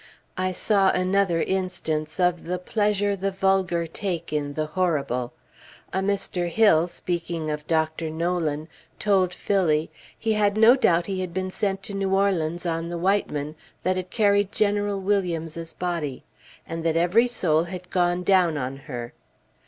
I saw another instance of the pleasure the vulgar take in the horrible. A Mr. Hill, speaking of Dr. Nolan, told Phillie "he had no doubt he had been sent to New Orleans on the Whiteman, that carried General Williams's body; and that every soul had gone down on her."